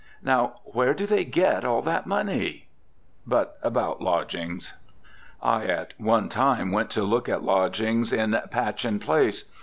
Now where do they get all that money? But about lodgings: I one time went to look at lodgings in Patchin Place.